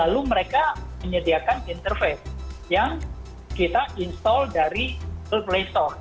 lalu mereka menyediakan interface yang kita install dari playstore